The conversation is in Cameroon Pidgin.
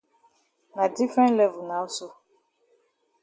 Na different level now so.